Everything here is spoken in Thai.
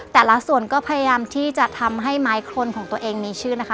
แต่ละส่วนก็พยายามที่จะทำให้ไม้คนของตัวเองมีชื่อนะคะ